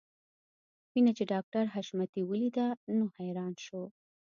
مينه چې ډاکټر حشمتي وليده نو حیران شو